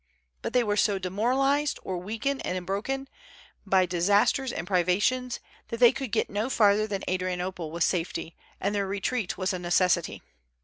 But they were so demoralized, or weakened and broken, by disasters and privations, that they could get no farther than Adrianople with safety, and their retreat was a necessity.